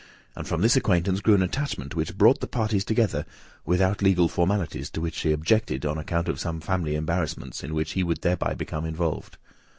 And from this acquaintance grew an attachment, which brought the parties together, without legal formalities, to which she objected on account of some family embarrassments, in which he would thereby become involved.